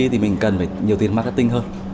thì mình cần phải nhiều tiền marketing hơn